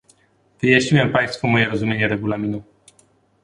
Wyjaśniłem państwu moje rozumienie Regulaminu